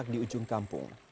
di ujung kampung